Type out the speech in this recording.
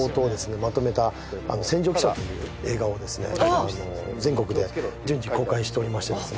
まとめた「戦場記者」という映画をですね全国で順次公開しておりましてですね